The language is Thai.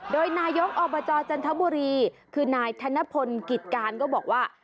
โดยนายกอบจจันทบุรีคือนายธนพลกิจการก็บอกว่า